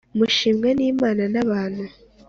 mushimwa n’imana n’abantu